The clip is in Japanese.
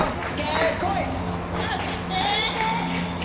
外して！